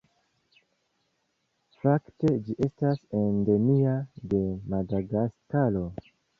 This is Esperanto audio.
Fakte ĝi estas endemia de Madagaskaro.